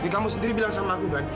kamu sendiri bilang sama aku kan